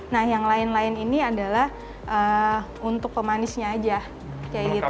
nah yang lain lain ini adalah untuk pemanisnya aja kayak gitu